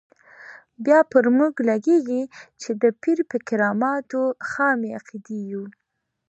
بیا پر موږ لګېږي چې د پیر پر کراماتو خامې عقیدې یو.